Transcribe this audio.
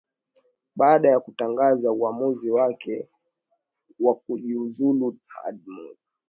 baada ya kutangaza uamuzi wake wakujiuzulu adimore toraja